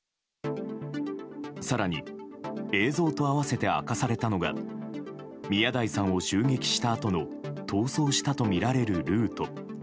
更に、映像と併せて明かされたのが宮台さんを襲撃したあとの逃走したとみられるルート。